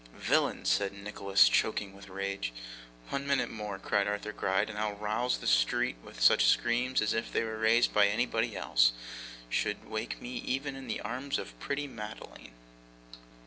'Villain!' said Nicholas, choking with his rage. 'One minute more,' cried Arthur Gride, 'and I'll rouse the street with such screams, as, if they were raised by anybody else, should wake me even in the arms of pretty Madeline.